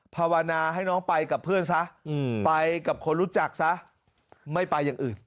ภาวนาให้น้องไปกับเพื่อนซะไปกับคนรู้จักซะไม่ไปอย่างอื่น